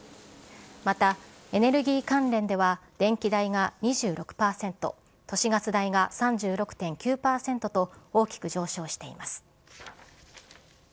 またエネルギー関連では、電気代が２６％、都市ガス代が３６．９％と、大きく上昇しています。